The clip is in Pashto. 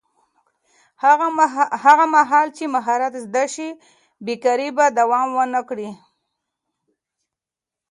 هغه مهال چې مهارت زده شي، بېکاري به دوام ونه کړي.